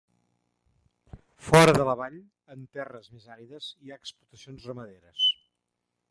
Fora de la vall, en terres més àrides, hi ha explotacions ramaderes.